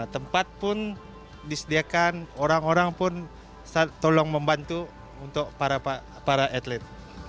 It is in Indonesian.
tempat pun disediakan orang orang pun tolong membantu untuk para atlet